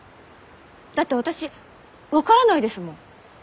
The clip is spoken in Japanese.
だって私分からないですもん！